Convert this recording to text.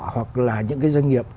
hoặc là những cái doanh nghiệp